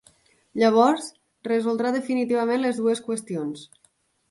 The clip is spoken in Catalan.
Llavors resoldrà definitivament les dues qüestions.